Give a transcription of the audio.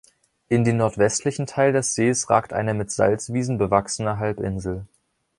In den nordwestlichen Teil des Sees ragt eine mit Salzwiesen bewachsene Halbinsel.